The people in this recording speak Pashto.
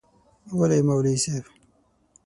وله يي مولوي صيب